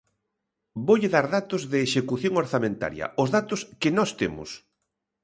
Voulle dar datos de execución orzamentaria, os datos que nós temos.